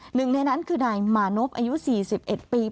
หนึ่งในนั้นคือนายมานพอายุ๔๑ปี